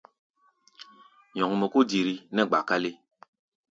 Nyɔŋmɔ kó diri nɛ́ gba-kálé.